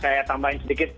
saya tambahin sedikit